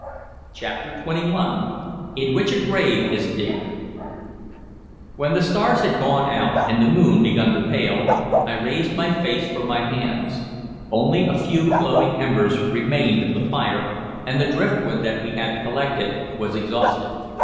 CHAPTER XXI IN WHICH A GRAVE IS DIGGED WHEN the stars had gone out and the moon begun to pale, I raised my face from my hands. Only a few glowing embers remained of the fire, and the driftwood that we had collected was exhausted.